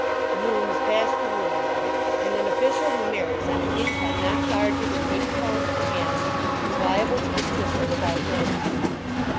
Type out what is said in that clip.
The "Moon" has passed a rule about it, and an official who marries on an income not larger than eighty pounds per annum is liable to dismissal without notice.